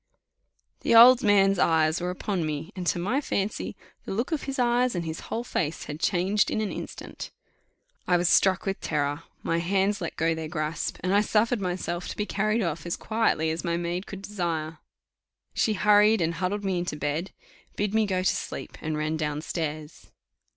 The old man's eyes were upon me; and to my fancy the look of his eyes and his whole face had changed in an instant. I was struck with terror my hands let go their grasp and I suffered myself to be carried off as quietly as my maid could desire. She hurried and huddled me into bed, bid me go to sleep, and ran down stairs.